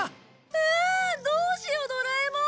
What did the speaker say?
わんどうしようドラえもん！